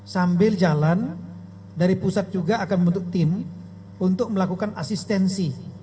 sambil jalan dari pusat juga akan membentuk tim untuk melakukan asistensi